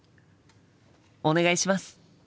お願いします！